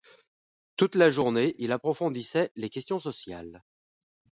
Toute la journée il approfondissait les questions sociales.